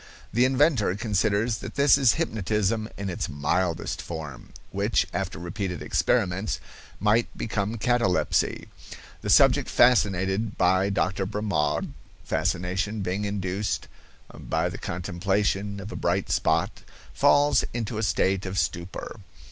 The inventor considers that this is hypnotism in its mildest form, which, after repeated experiments, might become catalepsy. The subject fascinated by Dr. Bremaud—fascination being induced by the contemplation of a bright spot—falls into a state of stupor.